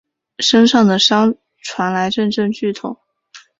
身上的伤传来阵阵剧痛